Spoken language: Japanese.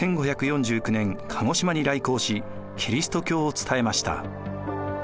１５４９年鹿児島に来航しキリスト教を伝えました。